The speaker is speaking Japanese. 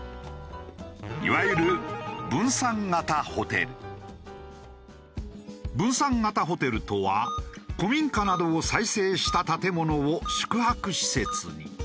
いわゆる分散型ホテルとは古民家などを再生した建物を宿泊施設に。